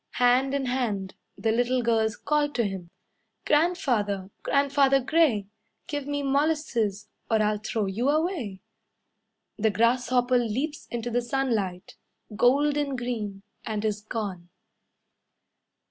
Hand in hand, the little girls call to him: "Grandfather, grandfather gray, Give me molasses, or I'll throw you away." The grasshopper leaps into the sunlight, Golden green, And is gone.